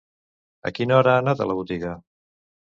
A quina hora ha anat a la botiga?